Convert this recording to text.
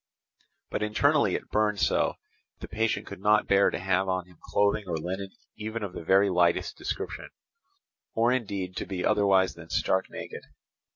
But internally it burned so that the patient could not bear to have on him clothing or linen even of the very lightest description; or indeed to be otherwise than stark naked.